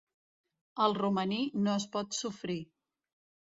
El romaní no es pot sofrir.